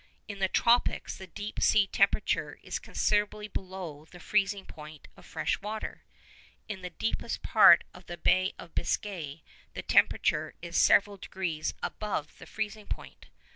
In the tropics the deep sea temperature is considerably below the freezing point of fresh water; in the deepest part of the Bay of Biscay the temperature is several degrees above the freezing point.